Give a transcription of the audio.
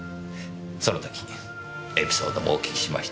その時エピソードもお聞きしました。